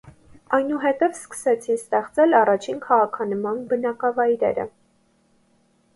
Այնուհետև սկսեցին ստեղծվել առաջին քաղաքանման բնակավայրերը։